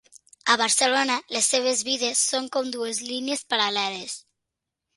A Barcelona les seves vides són com dues línies paral·leles.